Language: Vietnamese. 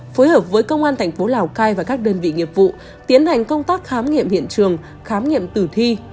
phối hợp với công an thành phố lào cai và các đơn vị nghiệp vụ tiến hành công tác khám nghiệm hiện trường khám nghiệm tử thi